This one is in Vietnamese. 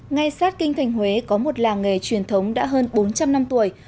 ngay sát kinh thành huế có một làng nghề truyền thống đã hơn bốn trăm linh năm tuổi